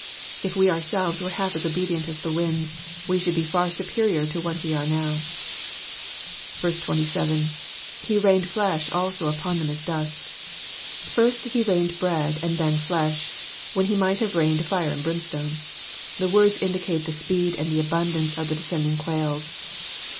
If we ourselves were half as obedient as the winds, we should be far .• uperior to what we now are. 27. //« rained Jlesh also upon them as dunt,'^* Fiist, he rained bread and then flesh, when he might have rained fire und brimstone. The words indicate the speed, and the abundance of the descending quails.